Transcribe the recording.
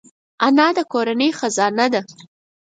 انا د کورنۍ خزانه ده